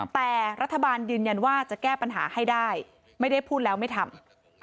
แต่รัฐบาลยืนยันว่าจะแก้ปัญหาให้ได้ไม่ได้พูดแล้วไม่ทำ